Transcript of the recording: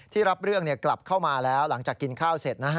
รับเรื่องกลับเข้ามาแล้วหลังจากกินข้าวเสร็จ